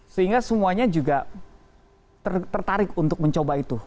sehingga semuanya juga tertarik untuk mencoba itu